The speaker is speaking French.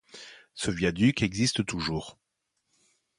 Ce viaduc existe toujours.